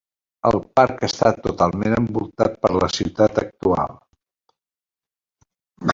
El parc està totalment envoltat per la ciutat actual.